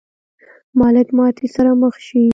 مالک ماتې سره مخ شي.